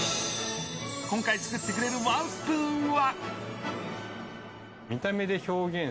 今回作ってくれるワンスプーンは？